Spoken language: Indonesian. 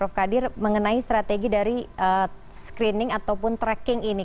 prof kadir mengenai strategi dari screening ataupun tracking ini